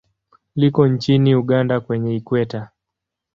Liko nchini Uganda kwenye Ikweta.